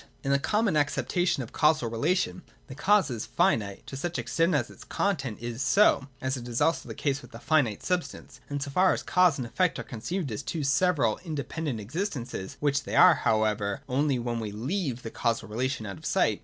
In the common acceptation of the causal relation the cause is finite, to such extent as its content is so (as is also the case with finite substance), and so far as cause and eff'ect are conceived as two several independent exist ences : which they are, however, only when we leave the 2^8 THE DOCTRINE OF ESSENCE. [i63 causal relation out of sight.